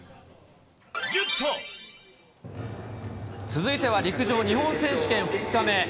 続いては陸上日本選手権２日目。